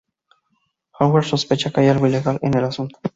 Howard sospecha que hay algo ilegal en el asunto.